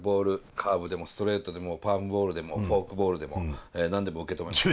カーブでもストレートでもパームボールでもフォークボールでも何でも受け止めます」。